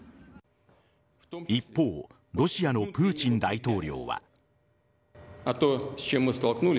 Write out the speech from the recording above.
一方、ロシアのプーチン大統領は。